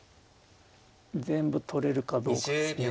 全部取れるかどうかですね。